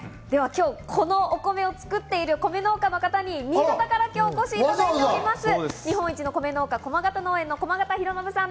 では今日はこのお米を作っている米農家の方に新潟から今日、お越しいただいきました。